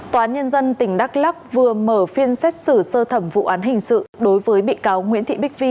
tòa án nhân dân tỉnh đắk lắc vừa mở phiên xét xử sơ thẩm vụ án hình sự đối với bị cáo nguyễn thị bích vi